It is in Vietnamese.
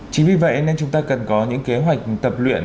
chính vì vậy nên chúng ta cần có những kế hoạch tập luyện